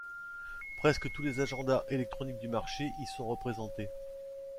Presque tous les agendas électroniques du marché y sont représentés.